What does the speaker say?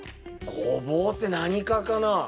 ゴボウって何科かな。